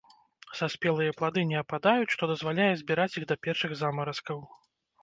Саспелыя плады не ападаюць, што дазваляе збіраць іх да першых замаразкаў.